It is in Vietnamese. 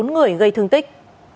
bốn người gây thương tích